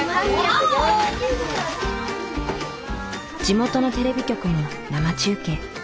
地元のテレビ局も生中継。